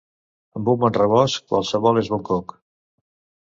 Amb un bon rebost qualsevol és bon coc.